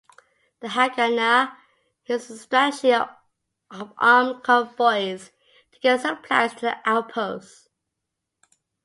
The Haganah used a strategy of armed convoys to get supplies to the outposts.